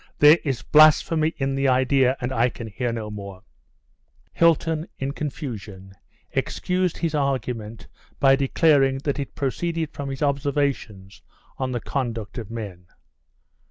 There is blasphemy in the idea, and I can hear no more." Hilton, in confusion, excused his argument by declaring that it proceeded from his observations on the conduct of men.